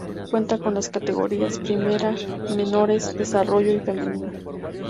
Cuenta con las categorías primera, menores, desarrollo y femenino.